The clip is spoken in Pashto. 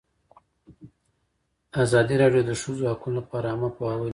ازادي راډیو د د ښځو حقونه لپاره عامه پوهاوي لوړ کړی.